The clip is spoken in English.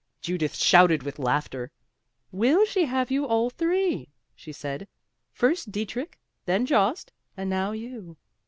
Judith shouted with laughter. "Will she have you all three?" she said; "first Dietrich, then Jost, and now you."